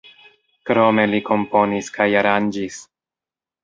Krome li komponis kaj aranĝis.